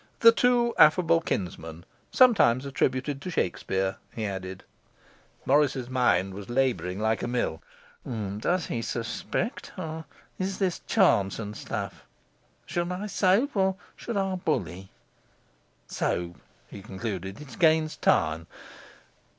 The Two Affable Kinsmen, sometimes attributed to Shakespeare,' he added. Morris's mind was labouring like a mill. 'Does he suspect? or is this chance and stuff? Should I soap, or should I bully? Soap,' he concluded. 'It gains time.